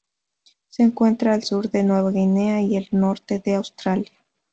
Se encuentra al sur de Nueva Guinea y el norte de Australia.